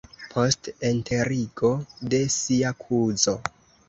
post enterigo de sia kuzo.